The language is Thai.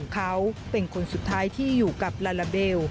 เขาเป็นคนสุดท้ายที่อยู่กับลาลาเบล